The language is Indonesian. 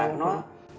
ideologi bung karno